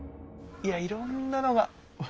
いやいろんなのが。